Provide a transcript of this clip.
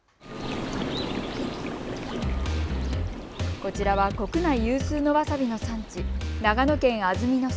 こちらは国内有数のわさびの産地、長野県安曇野市。